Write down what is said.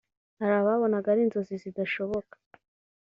hari ababonaga ari inzozi zidashoboka